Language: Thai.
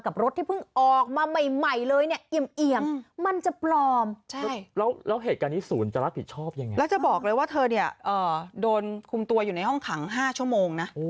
บอกเลยว่าเธอเนี่ยโดนคุมตัวอยู่ในห้องขัง๕ชั่วโมงนะ